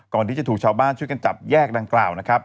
ก่อนที่จะถูกชาวบ้านช่วยกันจะจับแยกด้านกล่าว